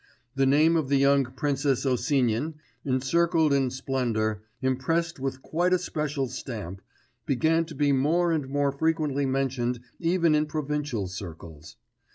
The name of the young Princess Osinin, encircled in splendour, impressed with quite a special stamp, began to be more and more frequently mentioned even in provincial circles.